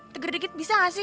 teger dikit bisa nggak sih